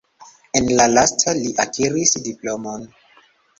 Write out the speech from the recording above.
En la lasta li akiris diplomon.